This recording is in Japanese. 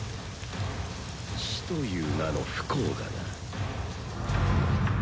死という名の不幸がな。